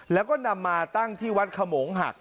แล้วก็นำมาตั้งที่วัดขมงหัก